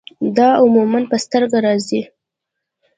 دا عموماً پۀ سترګه راځي